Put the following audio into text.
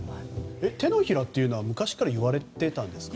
手のひらというのは昔から言われてましたか？